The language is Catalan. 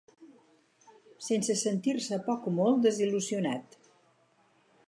Sense sentir-se poc o molt desil·lusionat